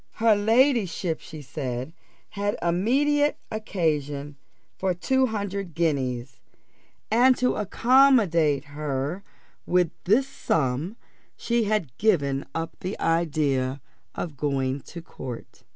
"Her ladyship," she said, "had immediate occasion for two hundred guineas, and to accommodate her with this sum she had given up the idea of going to court."